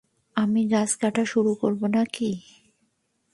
আমি গাছ কাটা শুরু করব নাকি?